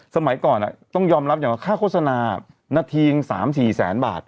สมัยก่อนต้องยอมรับอย่างว่าค่าโฆษณานาที๓๔แสนบาท